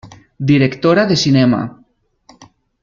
Directora de Cinema.